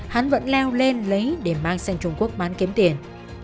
hắn vẫn leo lên lấy để mang sang trung quốc bán kiếm tiền